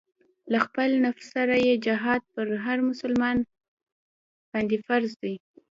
له خپل نفس سره جهاد پر هر مسلمان باندې فرض دی.